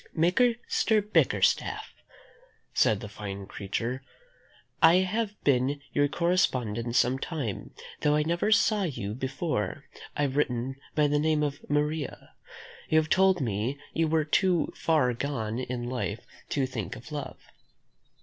"Mr. Bickerstaff," said the fine creature, "I have been your correspondent some time, though I never saw you before; I have written by the name of Maria. You have told me you were too far gone in life to think of love.